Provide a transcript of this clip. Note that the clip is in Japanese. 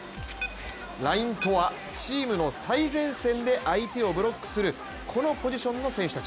ラインとは、チームの最前線で相手をブロックするこのポジションの選手たち。